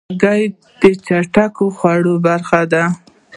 هګۍ د چټکو خوړو برخه ده.